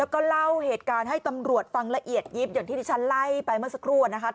แล้วก็เล่าเหตุการณ์ให้ตำรวจฟังละเอียดยิบอย่างที่ที่ฉันไล่ไปเมื่อสักครู่นะคะ